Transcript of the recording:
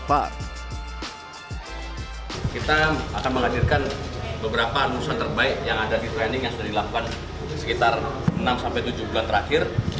kita akan menghadirkan beberapa lulusan terbaik yang ada di planning yang sudah dilakukan sekitar enam tujuh bulan terakhir